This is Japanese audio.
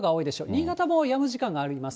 新潟もやむ時間があります。